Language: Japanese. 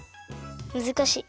むずかしい。